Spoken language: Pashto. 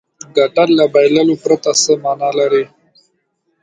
ګټل له بایللو پرته څه معنا لري.